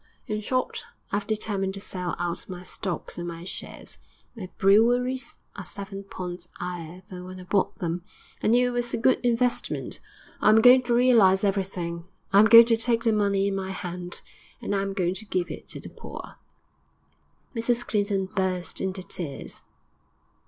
In short, I 'ave determined to sell out my stocks and my shares; my breweries are seven points 'igher than when I bought them; I knew it was a good investment. I am going to realise everything; I am going to take the money in my hand, and I am going to give it to the poor.' Mrs Clinton burst into tears.